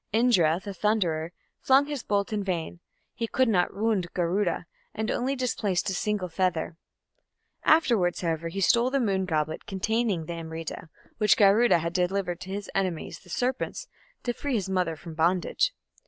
Indra, the thunderer, flung his bolt in vain; he could not wound Garuda, and only displaced a single feather. Afterwards, however, he stole the moon goblet containing the Amrita, which Garuda had delivered to his enemies, the serpents, to free his mother from bondage.